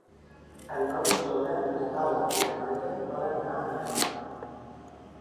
El nou d'octubre na Gal·la i na Maria volen anar a Miramar.